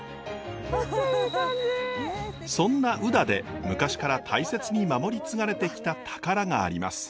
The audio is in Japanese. そんな宇陀で昔から大切に守り継がれてきた宝があります。